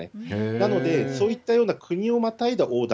なので、そういったような国をまたいだ横断。